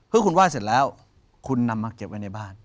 เพื่อคุณไห้เสร็จแล้วคุณนำมาเก็บไว้ในบ้าน